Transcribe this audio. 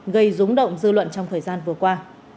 gây rúng động dư luận trong thời gian vừa qua